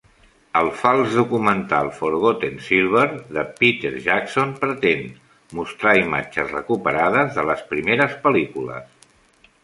El fals documental "Forgotten Silver" de Peter Jackson pretén mostrar imatges recuperades de les primeres pel·lícules.